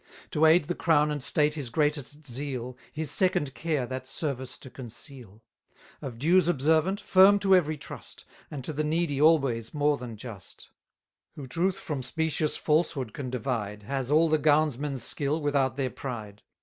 950 To aid the crown and state his greatest zeal, His second care that service to conceal; Of dues observant, firm to every trust, And to the needy always more than just; Who truth from specious falsehood can divide, Has all the gownsmen's skill without their pride.